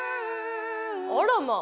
あらまあ！